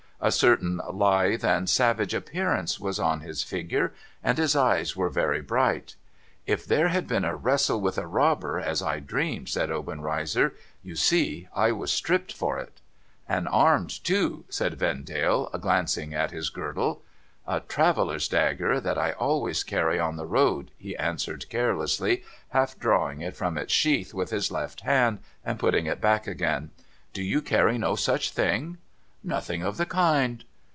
A certain lithe and savage appearance was on his figure, and his eyes were very bright. ' If there had been a wrestle with a robber, as I dreamed,' said Obenreizer, ' you see, I was stripped for it.' ' And armed too,' said Vendale, glancing at his girdle. * A traveller's dagger, that I always carry on the road,' he answered carelessly, half drawing it from its sheath with his left hand, and putting it back again. ' Do you carry no such thing ?'' Nothing of the kind.'